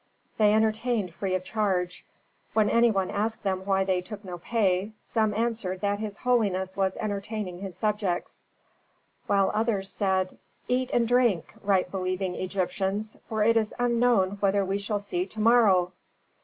They entertained free of charge. When any one asked them why they took no pay, some answered that his holiness was entertaining his subjects, while others said, "Eat and drink, right believing Egyptians, for it is unknown whether we shall see to morrow!"